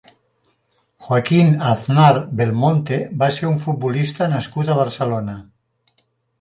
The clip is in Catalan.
Joaquín Aznar Belmonte va ser un futbolista nascut a Barcelona.